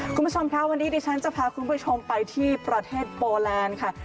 คุณผู้ชมค่ะวันนี้ดิฉันจะพาคุณผู้ชมไปที่ประเทศโปแลนด์ค่ะ